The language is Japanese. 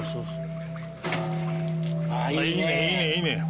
いいねいいねいいね。